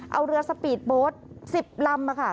เอาเรือสปีดโบสต์๑๐ลำ